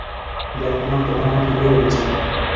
দেখ মা, তোমার মা ঠিকই বলেছে।